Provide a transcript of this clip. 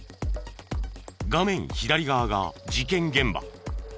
画面左側が事件現場。